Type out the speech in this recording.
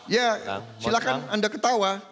ya silahkan anda ketawa